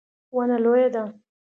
ونه لویه ده